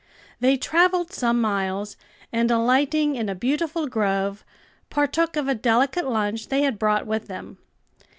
They travelled some miles, and alighting in a beautiful grove, partook of a delicate lunch they had brought with them.